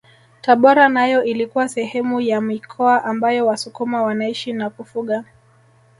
Tabora nayo ilikuwa sehemu ya mikoa ambayo wasukuma wanaishi na kufuga